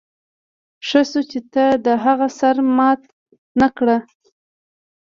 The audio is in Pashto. ښه شو چې تا د هغه سر مات نه کړ